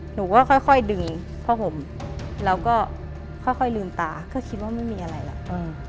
หนูก็ค่อยดึงผ้าห่มแล้วก็ค่อยลืมตาก็คิดว่าไม่มีอะไรล่ะ